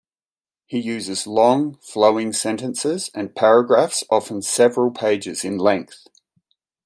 He uses long, flowing sentences and paragraphs often several pages in length.